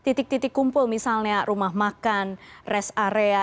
titik titik kumpul misalnya rumah makan rest area